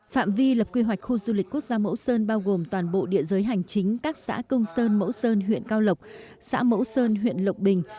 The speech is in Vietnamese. phạm vi lập quy hoạch khu du lịch quốc gia mẫu sơn bao gồm toàn bộ địa giới hành chính các xã công sơn mẫu sơn huyện cao lộc xã mẫu sơn huyện lộc bình